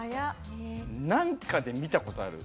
なんかで見たことある。